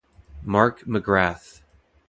Mark Mc Grath.